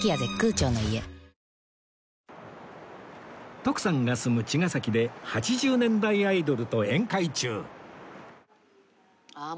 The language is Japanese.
徳さんが住む茅ヶ崎で８０年代アイドルと宴会中